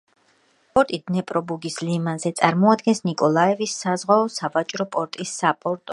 საზღვაო პორტი დნეპრო-ბუგის ლიმანზე, წარმოადგენს ნიკოლაევის საზღვაო სავაჭრო პორტის საპორტო პუნქტს.